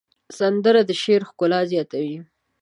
سندره د شعر ښکلا زیاتوي